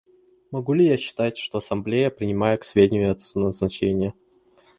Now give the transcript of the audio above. Могу ли я считать, что Ассамблея принимает к сведению это назначение?